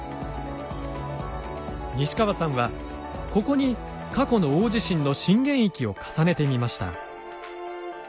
西川さんはここに過去の大地震の震源域を重ねてみました。